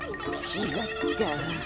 ちがった。